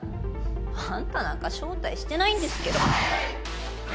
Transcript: アンタなんか招待してないんですけど。